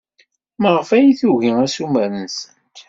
Maɣef ay tugi assumer-nsent?